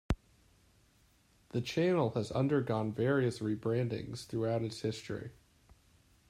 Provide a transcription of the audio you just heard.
The channel has undergone various rebrandings throughout its history.